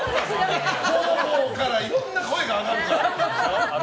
方々からいろんな声が上がるから。